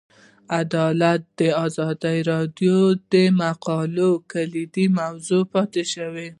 عدالت د ازادي راډیو د مقالو کلیدي موضوع پاتې شوی.